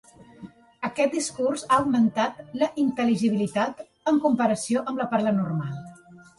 Aquest discurs ha augmentat la intel·ligibilitat en comparació amb la parla normal.